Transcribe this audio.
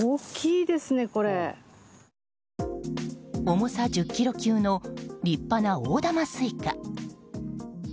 重さ１０ｋｇ級の立派な大玉スイカ。